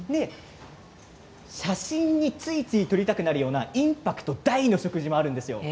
写真についつい撮りたくなるようなインパクト大の食事があります。